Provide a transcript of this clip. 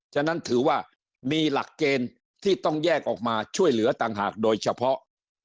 ฉะนั้นถือว่ามีหลักเกณฑ์ที่ต้องแยกออกมาช่วยเหลือต่างหากโดยเฉพาะ